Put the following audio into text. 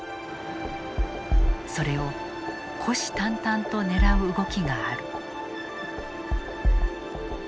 それを虎視眈々と狙う動きがある。